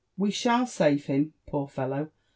" We shall save him, poor fellow !